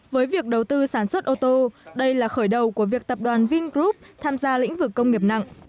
với việc đầu tư sản xuất ô tô đây là khởi đầu của việc tập đoàn vingroup tham gia lĩnh vực công nghiệp nặng